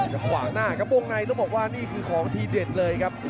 ขวางหน้ากระโบ่งในต้องบอกว่านี่คือของที่เด็ดเลยครับ